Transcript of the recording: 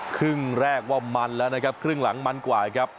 ครึ่งแรกว่ามันแล้วนะครับครึ่งหลังมันกว่าครับ